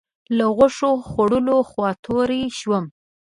له غوښې خوړلو خوا توری شوم.